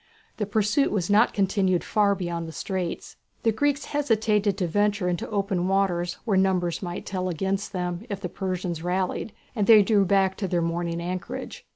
The pursuit was not continued far beyond the straits. The Greeks hesitated to venture into open waters where numbers might tell against them if the Persians rallied, and they drew back to their morning anchorage.